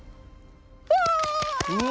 うわ！